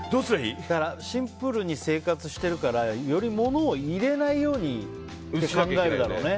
シンプルに生活してるからより物を入れないように考えるだろうね。